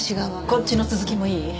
こっちの続きもいい？